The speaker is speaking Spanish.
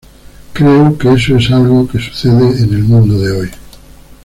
Creo que eso es algo que sucede en el mundo de hoy.